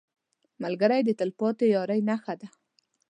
ملګری د تلپاتې یارۍ نښه ده